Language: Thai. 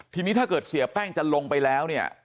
ทีนี้ถ้าเกิดเสียแป้งจะลงไปแล้วเนี่ย